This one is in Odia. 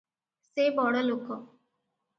ସେ ବଡ଼ ଲୋକ ।